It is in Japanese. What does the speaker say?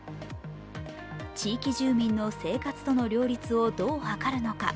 地域住民の生活との両立をどう図るのか。